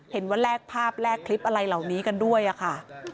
เห็นว่าแรกภาพแรกคลิปอะไรเหล่านี้กันด้วยอะค่ะ